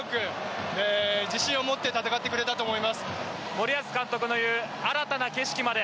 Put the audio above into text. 森保監督の言う「新たな景色まで」